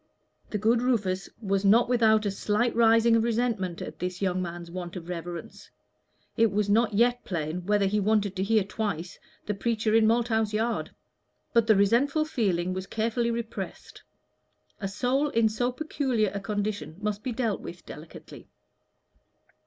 The good Rufus was not without a slight rising of resentment at this young man's want of reverence. It was not yet plain whether he wanted to hear twice the preacher in Malthouse Yard. But the resentful feeling was carefully repressed: a soul in so peculiar a condition must be dealt with delicately.